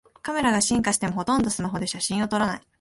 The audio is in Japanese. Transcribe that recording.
カメラが進化してもほとんどスマホで写真を撮らない